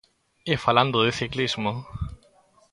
E falando de ciclismo.